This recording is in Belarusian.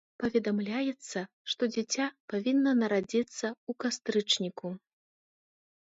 Паведамляецца, што дзіця павінна нарадзіцца ў кастрычніку.